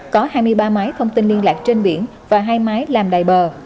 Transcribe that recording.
có hai mươi ba máy thông tin liên lạc trên biển và hai máy làm đầy bờ